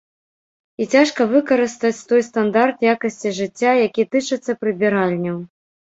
І цяжка выкарыстаць той стандарт якасці жыцця, які тычыцца прыбіральняў.